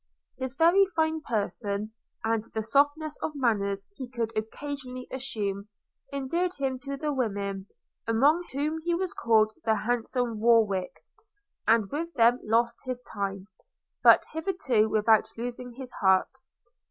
His very fine person, and the softness of manners he could occasionally assume, endeared him to the women, among whom he was called the handsome Warwick, and with them lost his time – but hitherto without losing his heart.